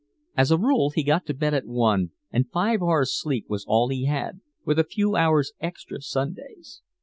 As a rule he got to bed at one, and five hours' sleep was all he had with a few hours extra Sundays.